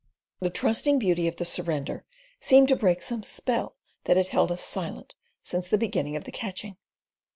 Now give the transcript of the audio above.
The trusting beauty of the surrender seemed to break some spell that had held us silent since the beginning of the catching.